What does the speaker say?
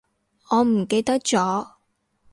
我唔記得咗